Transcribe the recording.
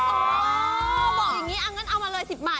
บอกอย่างนี้เอางั้นเอามาเลย๑๐บาท